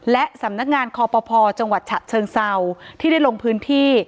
และสำนักงานคอปภจังหวัดฉะเชิงเศร้าที่ได้ลงพื้นที่